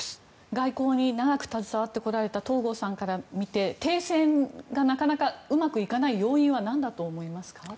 外交に長く携わってこられた東郷さんから見て停戦がなかなかうまくいかない要因はなんだと思いますか？